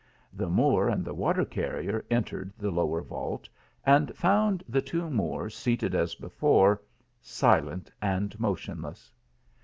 The Moor and the water carrier entered the lower vault and found the two Moors seated as before, silent and motionless.